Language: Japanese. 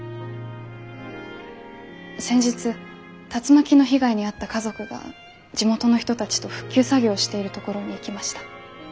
先日竜巻の被害に遭った家族が地元の人たちと復旧作業をしているところに行きました。